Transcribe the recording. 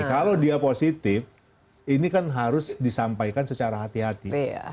kalau dia positif ini kan harus disampaikan secara hati hati